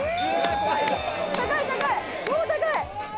高い高いもう高い！